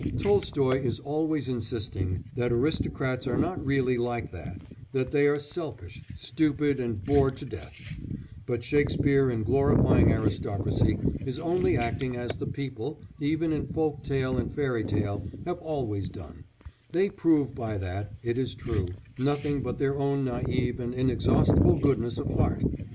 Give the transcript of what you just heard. Tolstoy is always insisting that aristocrats are not really like that that they are selfish, stupid, and bored to death; but Shakespeare in glorifying aristocracy is only acting as the people, even in folk tale and fairy tale, have always done; they prove by that, it is true, nothing but their own naïve and inexhaustible goodness of heart.